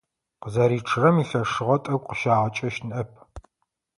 Къызэричъырэм илъэшыгъэ тӀэкӀу къыщагъэкӀэщт ныӀэп.